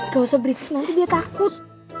gausah berisik nanti dia takut